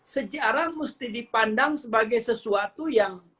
sejarah mesti dipandang sebagai sesuatu yang